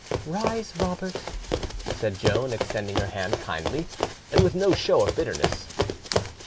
"Rise, Robert," said Joan, extending her hand kindly, and with no show of bitterness.